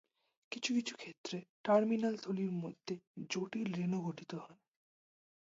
কিছু কিছু ক্ষেত্রে, টার্মিনাল থলির মধ্যে জটিল রেণু গঠিত হয়।